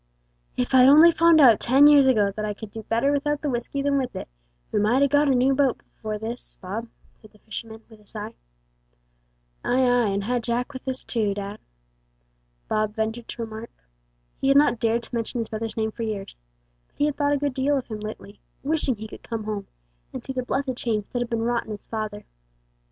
"If I'd only found out ten years ago that I could do better without the whisky than with it, we might ha' got a new boat afore this, Bob," said the fisherman, with a sigh. "Aye, aye, and had Jack with us, too, dad," Bob ventured to remark. He had not dared to mention his brother's name for years, but he had thought a good deal of him lately, wishing he could come home, and see the blessed change that had been wrought in his father.